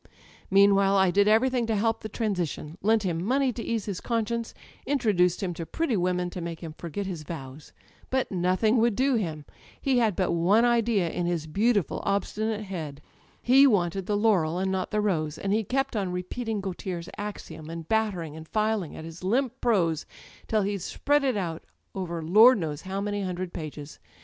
. Meanwhile I did everything to help the transitionâ€" lent him money to ease his con science, introduced him to pretty women to make him foiget his vows. But nothing would do him: he had but [ 269 ] Digitized by LjOOQ IC THE EYES one idea in his beautiful obstinate head. He wanted the hiuiel and not the rose» and he kept on repeating Gautier's axiom» and battering and filing at his limp prose till he'd spread it out over Lord knows how many hundred pages.